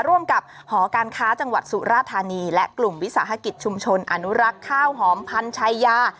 ร่วมกับหอการค้าจังหวัดสุราธานีและกลุ่มวิสาหกิจชุมชนอนุรักษ์ข้าวหอมพันชายา